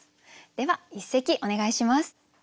では一席お願いします。